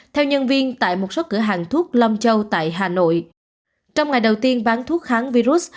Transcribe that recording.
theo nhân viên tại một số cửa hàng thuốc long châu tại hà nội trong ngày đầu tiên bán thuốc kháng virus